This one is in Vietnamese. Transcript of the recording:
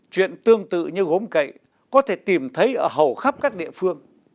chuyện tương tự như gốm cậy có thể tìm thấy ở hầu khắp các địa phương